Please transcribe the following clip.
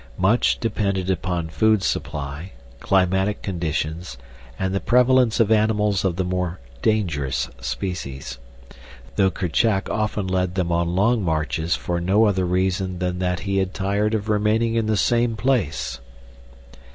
Much depended upon food supply, climatic conditions, and the prevalence of animals of the more dangerous species; though Kerchak often led them on long marches for no other reason than that he had tired of remaining in the same place.